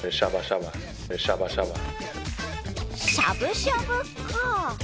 しゃぶしゃぶか。